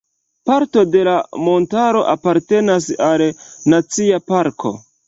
Parto de la montaro apartenas al Nacia parko.